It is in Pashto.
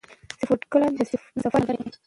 سپوره ټکله د سفر ښه ملګری دی.